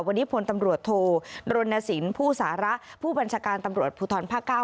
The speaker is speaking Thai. วันนี้พลตำรวจโทรรณสินผู้สาระผู้บัญชาการตำรวจภูทรภาค๙